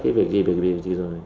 cái việc gì việc gì việc gì rồi